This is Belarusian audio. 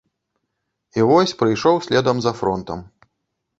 І вось прыйшоў следам за фронтам.